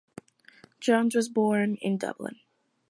Jones was born in Dublin.